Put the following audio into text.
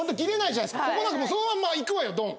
ここなんかそのまんまいくわよドン。